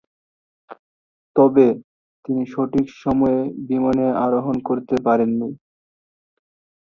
তবে, তিনি সঠিক সময়ে বিমানে আরোহণ করতে পারেননি।